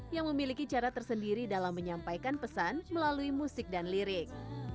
yang memiliki cara tersendiri dalam menyampaikan pesan melalui musik dan lirik